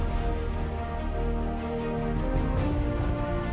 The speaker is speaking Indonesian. nggak ada yang nunggu